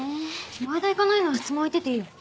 前田行かないなら質問空いてていいや。